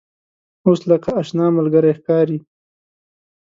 اوس لکه آشنا ملګری ښکاري.